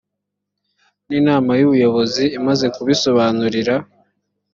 n inama y ubuyobozi imaze kubisobanurira